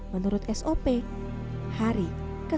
menurut sop hari ke sepuluh